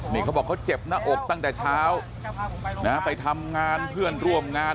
นี่เขาบอกเขาเจ็บหน้าอกตั้งแต่เช้านะไปทำงานเพื่อนร่วมงาน